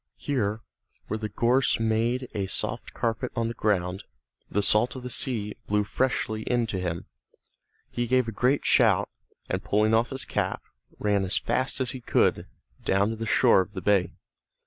Here, where the gorse made a soft carpet on the ground, the salt of the sea blew freshly in to him. He gave a great shout, and pulling off his cap, ran as fast as he could, down to the shore of the bay.